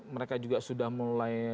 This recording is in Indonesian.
mereka juga sudah mulai